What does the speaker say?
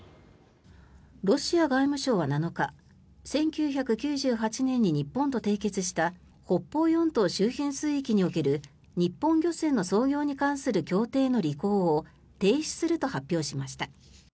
ロシア外務省は７日１９９８年に日本と締結した北方四島周辺水域における日本漁船の操業に関する協定の履行を停止すると発表しました。